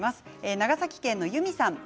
長崎県の方です。